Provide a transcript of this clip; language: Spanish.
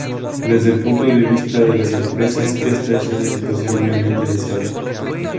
Desde el punto de vista de las empresas, esta es una situación obviamente deseable.